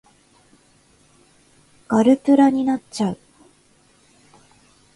ガルプラになっちゃう